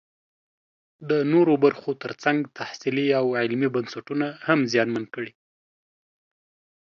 د نورو برخو ترڅنګ تحصیلي او علمي بنسټونه هم زیانمن کړي